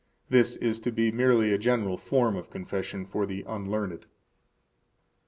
This is to be merely a general form of confession for the unlearned.